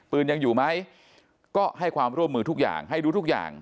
ปืนยังอยู่ไหมก็ให้ความร่วมมือทุกอย่างให้ดูทุกอย่าง